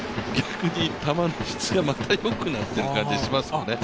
球の質が逆によくなってる感じがしますね。